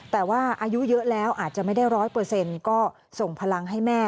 แต่ว่าอายุเยอะแล้วอาจจะไม่ได้๑๐๐ก็ส่งพลังให้แม่